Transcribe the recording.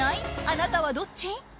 あなたはどっち？